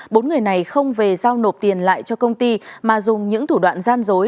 bốn người này không về giao nộp tiền lại cho công ty mà dùng những thủ đoạn gian dối